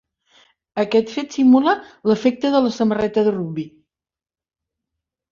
Aquest fet simula l’efecte de la samarreta de rugbi.